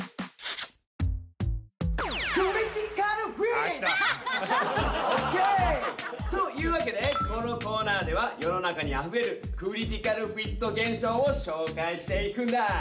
やった！ＯＫ！というわけでこのコーナーでは世の中にあふれるクリティカルフィット現象を紹介していくんだ。